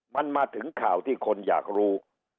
มันมาถึงข่าวที่คนอยากรู้